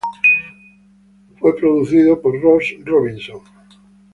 Fue producido por Ross Robinson.